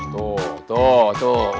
tuh tuh tuh